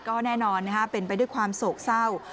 ก็แน่นอนเป็นไปด้วยความโศกเศร้า